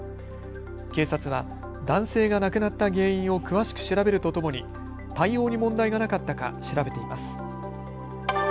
警察は男性が亡くなった原因を詳しく調べるとともに対応に問題がなかったか調べています。